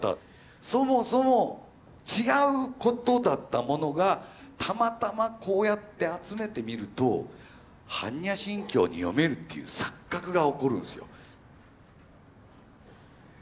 そもそも違うことだったものがたまたまこうやって集めてみると般若心経に読めるっていう錯覚が起こるんですよ。